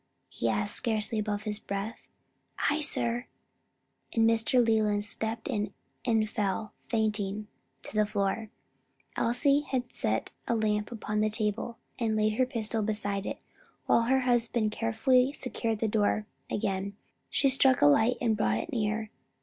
he asked scarcely above his breath. "I, sir," and Mr. Leland stepped in and fell fainting to the floor. Elsie had set her lamp upon a table, and laid her pistol beside it, and while her husband carefully secured the door again, she struck a light and brought it near.